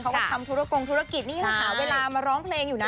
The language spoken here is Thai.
เขาก็ทำธุรกงธุรกิจนี่ยังหาเวลามาร้องเพลงอยู่นะ